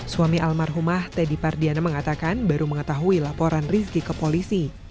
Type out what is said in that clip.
suami almarhumah teddy pardiana mengatakan baru mengetahui laporan rizky ke polisi